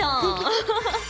アハハッ。